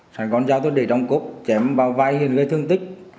sài gòn giao tôi để trong cốt chém vào vai huyện gây thương tích